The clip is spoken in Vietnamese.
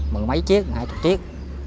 mười mấy chiếc hai chục chiếc